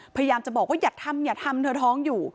พยายามจะบอกว่าอย่าทำอย่าทำเธอท้องอยู่